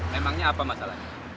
memangnya apa masalahnya